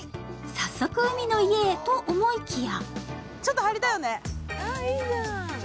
早速、海の家へと思いきや」